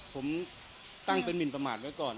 ผมตั้งเป็นหมินประมาทไว้ก่อน